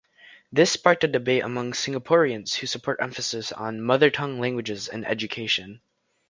This sparked a debate among Singaporeans who support emphasis on mother-tongue languages in education.